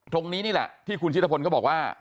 ตรงนี้นี่แหละที่คุณชิตพลเขาบอกว่า